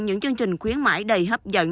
những chương trình khuyến mãi đầy hấp dẫn